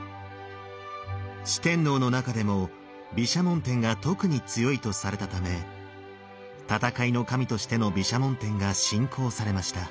四天王の中でも毘沙門天が特に強いとされたため戦いの神としての毘沙門天が信仰されました。